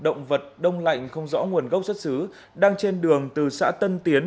động vật đông lạnh không rõ nguồn gốc xuất xứ đang trên đường từ xã tân tiến